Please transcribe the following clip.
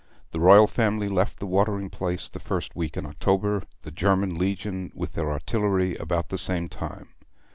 The royal family left the watering place the first week in October, the German Legion with their artillery about the same time.